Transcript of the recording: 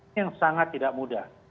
ini yang sangat tidak mudah